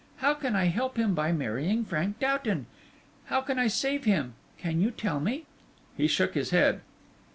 How can I help him by marrying Frank Doughton? How can I save him can you tell me?" He shook his head.